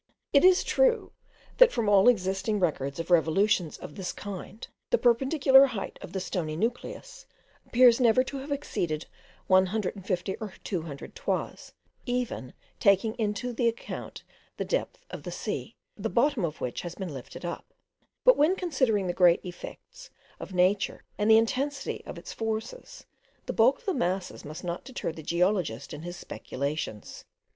It is true that from all existing records of revolutions of this kind, the perpendicular height of the stony nucleus appears never to have exceeded one hundred and fifty or two hundred toises; even taking into the account the depth of the sea, the bottom of which had been lifted up: but when considering the great effects of nature, and the intensity of its forces, the bulk of the masses must not deter the geologist in his speculations.